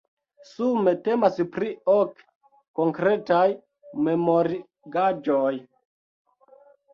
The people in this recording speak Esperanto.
Sume temas pri ok konkretaj memorigaĵoj.